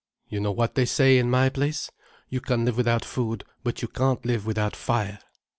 You know what they say in my place: You can live without food, but you can't live without fire."